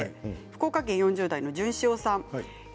福岡県４０代の方です。